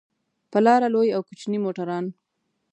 پر لاره لوی او کوچني موټران.